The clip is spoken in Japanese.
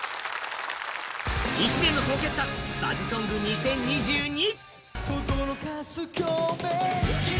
１年の総決算バズソング２０２２。